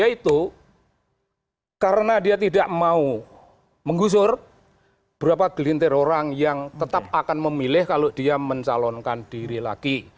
yaitu karena dia tidak mau menggusur berapa gelintir orang yang tetap akan memilih kalau dia mencalonkan diri lagi